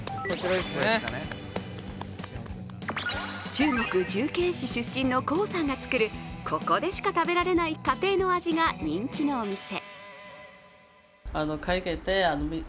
中国・重慶市出身の黄さんが作る、ここでしか食べられない家庭の味が人気のお店。